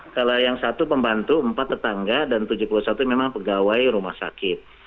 kalau yang satu pembantu empat tetangga dan tujuh puluh satu memang pegawai rumah sakit